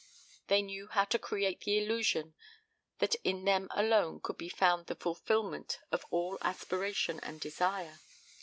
They knew how to create the illusion that in them alone could be found the fulfillment of all aspiration and desire.